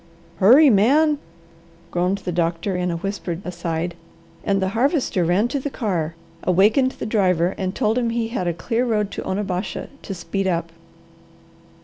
"Hurry man!" groaned the doctor in a whispered aside, and the Harvester ran to the car, awakened the driver and told him he had a clear road to Onabasha, to speed up.